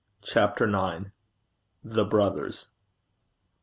CHAPTER IX. THE BROTHERS.